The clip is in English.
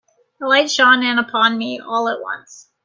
A light shone in upon me all at once.